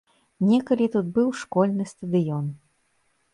Некалі тут быў школьны стадыён.